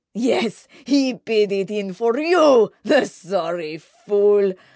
Yes: he bid it in for you—the sorry fool!